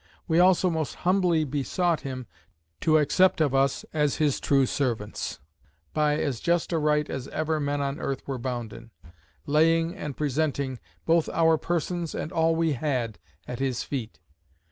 We also most humbly besought him, to accept of us as his true servants; by as just a right as ever men on earth were bounden; laying and presenting, both our persons, and all we had, at his feet.